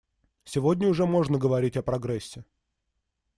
Сегодня уже можно говорить о прогрессе.